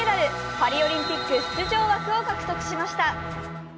パリオリンピック出場枠を獲得しました。